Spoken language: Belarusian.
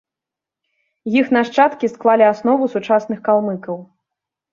Іх нашчадкі склалі аснову сучасных калмыкаў.